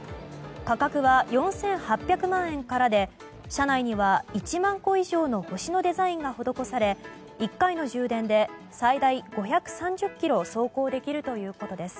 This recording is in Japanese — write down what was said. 価格は４８００万円からで車内には１万個以上の星のデザインが施され１回の充電で最大５３０ｋｍ走行できるということです。